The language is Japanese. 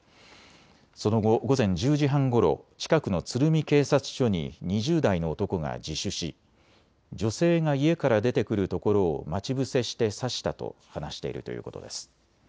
その後、午前１０時半ごろ近くの鶴見警察署に２０代の男が自首し女性が家から出てくるところを待ち伏せして刺したと話しているということです。